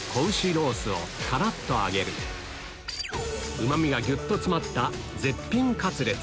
ロースをカラっと揚げるうま味がぎゅっと詰まった絶品カツレツ